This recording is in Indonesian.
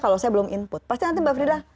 kalau saya belum input pasti nanti mbak frida